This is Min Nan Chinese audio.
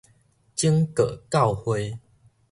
整個教會